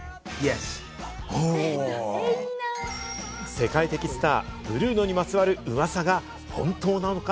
世界的スター、ブルーノにまつわるうわさが本当なのか？